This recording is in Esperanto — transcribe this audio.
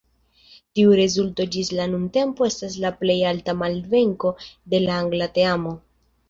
Tiu rezulto ĝis la nuntempo estas la plej alta malvenko de la angla teamo.